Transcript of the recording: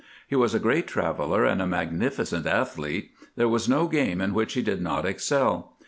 He was a great traveller and a magnificent athlete. There was no game in which he did not excel.